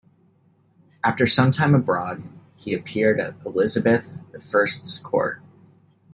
After some time abroad, he appeared at Elizabeth the First's court.